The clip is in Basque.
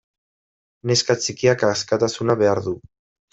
Neska txikiak askatasuna behar du.